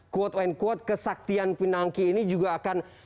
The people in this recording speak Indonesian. quote unquote kesaktian pinangki ini juga akan